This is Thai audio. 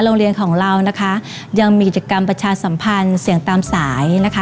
โรงเรียนของเรายังมีกระจกรรมประชาสัมภัณฑ์เสียงตามสาย